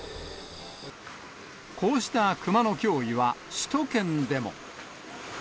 こうしたクマの脅威は、首都圏でも。